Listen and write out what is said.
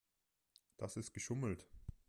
Das ist geschummelt.